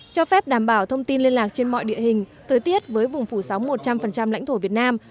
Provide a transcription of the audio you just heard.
cho phép đảm bảo thông tin liên lạc trên mọi địa hình thời tiết với vùng phủ sóng một trăm linh lãnh thổ việt nam